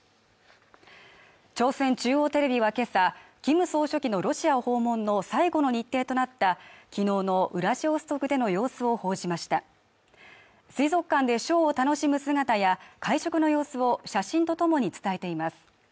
朝鮮中央テレビはけさキム総書記のロシア訪問の最後の日程となった昨日のウラジオストクでの様子を報じました水族館でショーを楽しむ姿や会食の様子を写真とともに伝えています